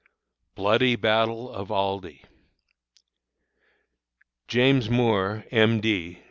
BLOODY BATTLE OF ALDIE. James Moore, M. D.